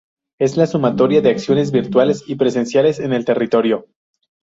Es la sumatoria de acciones virtuales y presenciales en el territorio.